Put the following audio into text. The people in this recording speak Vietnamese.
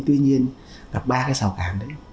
tuy nhiên gặp ba cái sào càng đấy